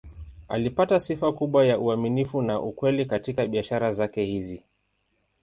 Alipata sifa kubwa ya uaminifu na ukweli katika biashara zake hizi.